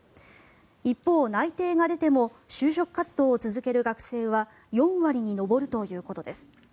一方、内定が出ても就職活動を続ける学生は４割に上るということです。